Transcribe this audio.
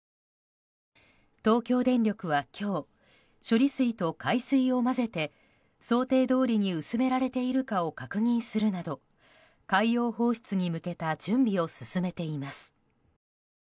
東京電力は今日、処理水と海水を混ぜて想定どおりに薄められているかを確認するなど海洋放出に向けた準備を進めています。